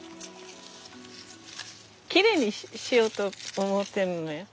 きれいにしようと思ってるのよ。